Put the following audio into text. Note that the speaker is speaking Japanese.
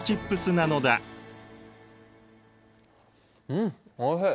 うんおいしい！